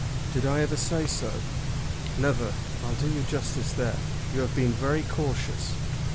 "Did I ever say so?" "Never. I'll do you justice there. You have been very cautious."